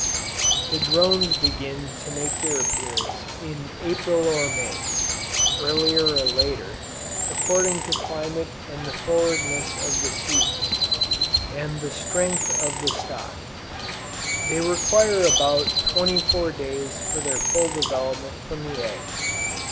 The drones begin to make their appearance in April or May; earlier or later, according to climate and the forwardness of the season, and strength of the stock. They require about twenty four days for their full development from the egg.